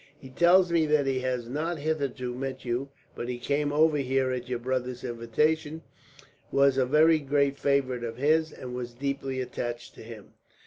He tells me that he has not hitherto met you; but he came over here at your brother's invitation, was a very great favourite of his, and was deeply attached to him."